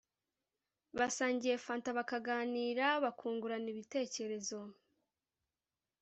basangiye fanta bakaganira bakungurana ibitekerezo